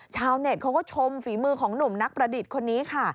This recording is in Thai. ชาวเน็ตเขาก็ชมฝีมือของหนุ่มนักประดิษฐ์คนนี้ค่ะ